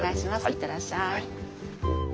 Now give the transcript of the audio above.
行ってらっしゃい。